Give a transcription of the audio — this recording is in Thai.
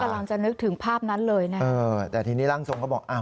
กำลังจะนึกถึงภาพนั้นเลยนะแต่ทีนี้ร่างทรงก็บอก